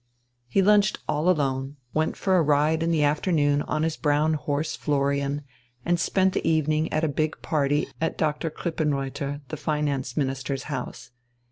He lunched all alone, went for a ride in the afternoon on his brown horse Florian, and spent the evening at a big party at Dr. Krippenreuther, the Finance Minister's house.